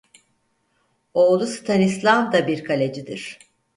Oğlu Stanislav da bir kalecidir.